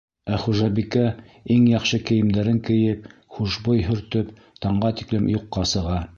Ә хужабикә, иң яҡшы кейемдәрен кейеп, хушбуй һөртөп, таңға тиклем юҡҡа сыға.